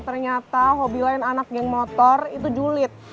ternyata hobi lain anak geng motor itu julid